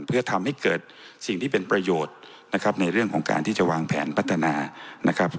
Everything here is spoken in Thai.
เพื่อทำให้เกิดสิ่งที่เป็นประโยชน์นะครับในเรื่องของการที่จะวางแผนพัฒนานะครับ